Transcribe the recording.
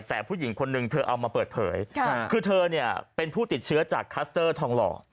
แต่ผู้หญิงคนนึงเธอเอามาเปิดเผยคือเธอเนี่ยเป็นผู้ติดเชื้อจากคัสเตอร์ทองหล่อ